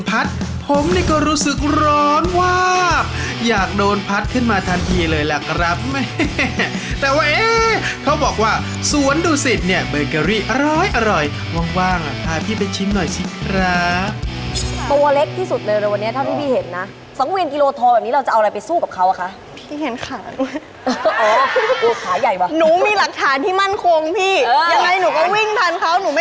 ผมนี่ก็รู้สึกร้อนวากอยากโดนพัดขึ้นมาทันทีเลยล่ะครับแต่ว่าเอ๊เขาบอกว่าสวนดูสิตเนี่ยเบอร์เกอรี่อร้อยว่างพาพี่ไปชิมหน่อยชิดครับตัวเล็กที่สุดเลยนะวันนี้ถ้าพี่พี่เห็นนะ๒เวลกิโลทอลแบบนี้เราจะเอาอะไรไปสู้กับเขาอะคะพี่เห็นขาดมากอ๋อขาใหญ่ป่ะหนูมีหลักฐานที่มั่นคงพี่ยังไงหนูก็